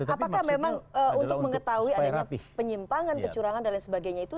apakah memang untuk mengetahui adanya penyimpangan kecurangan dan lain sebagainya itu